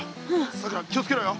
さくら気をつけろよ。